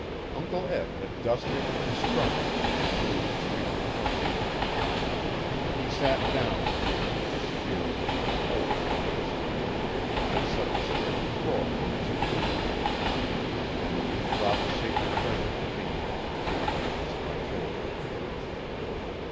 Uncle Eb had dusted and strung it and glued its weaker joints. He sat down with it, the severe look of old upon his face, and set the strings roaring as he tuned them. Then he brought the sacred treasure to me and leaned it against my shoulder.